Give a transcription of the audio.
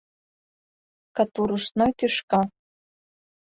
Катурушной тӱшка!